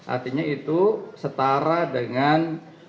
artinya itu setara dengan